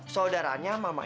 saudaranya mamanya modern